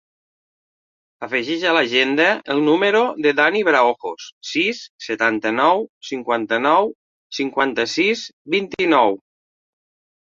Afegeix a l'agenda el número del Dani Braojos: sis, setanta-nou, cinquanta-nou, cinquanta-sis, vint-i-nou.